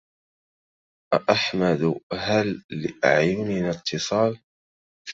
أأحمد هل لأعيننا اتصال